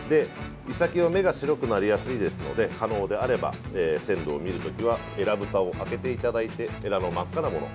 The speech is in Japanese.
イサキは目が白くなりやすいですので可能であれば鮮度を見るときはえらぶたを開けていただいてえらの真っ赤なもの